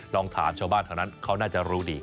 ลองถามชาวบ้านแถวนั้นเขาน่าจะรู้ดี